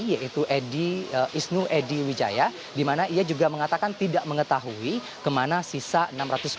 yaitu isnu edy widjaya di mana ia juga mengatakan tidak mengetahui ke mana sisa rp enam ratus miliar ini